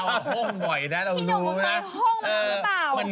เหมือนห่มมาบ่อยกัน